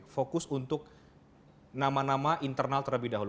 fokus untuk nama nama internal terlebih dahulu